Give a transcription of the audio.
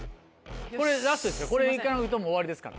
これラストですよ